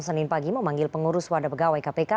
senin pagi memanggil pengurus wadah pegawai kpk